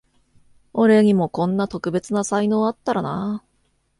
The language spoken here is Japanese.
俺にもこんな特別な才能あったらなあ